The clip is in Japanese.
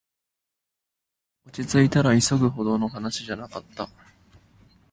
落ちついたら、急ぐほどの話じゃなかった